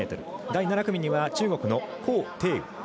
第７組には、中国の高亭宇